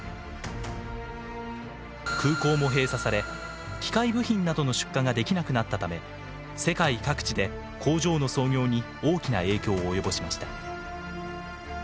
空港も閉鎖され機械部品などの出荷ができなくなったため世界各地で工場の操業に大きな影響を及ぼしました。